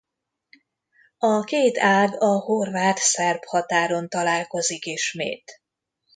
A két ág a horvát–szerb határon találkozik ismét.